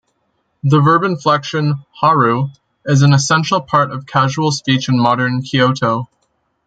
The verb inflection "-haru" is an essential part of casual speech in modern Kyoto.